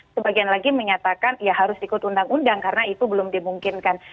sebagian lagi menyatakan ya harus ikut undang undang karena itu belum dimungkinkan